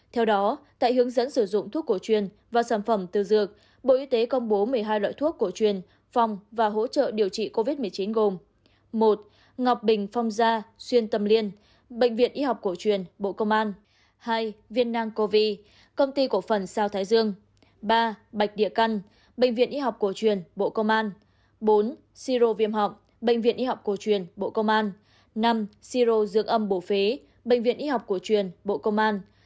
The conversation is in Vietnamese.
theo đó tại hướng dẫn sử dụng thuốc cổ truyền và sản phẩm tư dược bộ y tế công bố một mươi hai loại thuốc cổ truyền phòng và hỗ trợ điều trị covid một mươi chín gồm